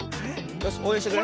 よしおうえんしてくれ。